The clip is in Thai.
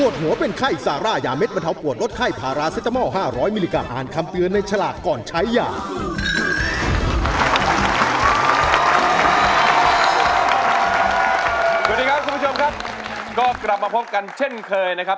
สวัสดีครับคุณผู้ชมครับก็กลับมาพบกันเช่นเคยนะครับ